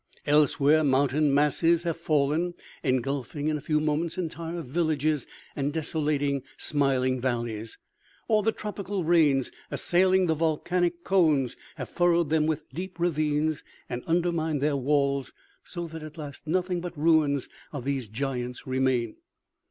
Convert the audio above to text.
Elsewhere, mountain masses have fallen, engulfing in a few moments entire villages and desolating smiling valleys. Or, the tropical rains, as sailing the volcanic cones, have furrowed them with deep ravines and undermined their walls, so that at last nothing but ruins of these giants remain.